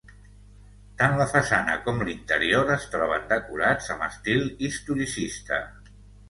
Tant la façana com l'interior es troben decorats amb estil historicista.